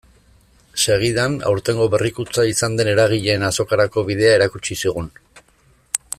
Segidan, aurtengo berrikuntza izan den eragileen azokarako bidea erakutsi zigun.